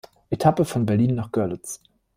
Etappe von Berlin nach Görlitz.